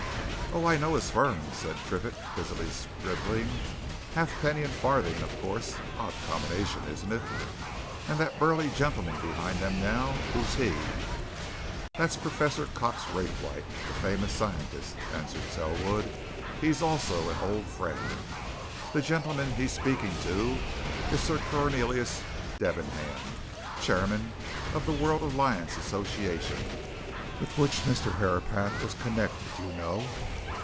"Oh, I know of his firm," said Triffitt, busily scribbling. "Halfpenny and Farthing, of course odd combination, isn't it? And that burly gentleman behind them, now who's he?" "That's Professor Cox Raythwaite, the famous scientist," answered Selwood. "He's also an old friend. The gentleman he's speaking to is Sir Cornelius Debenham, chairman of the World Alliance Association, with which Mr. Herapath was connected, you know."